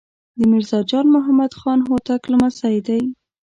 د میرزا جان محمد خان هوتک لمسی دی.